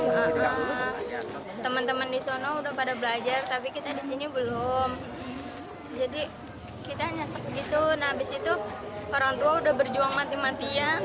nah habis itu orang tua sudah berjuang mati matian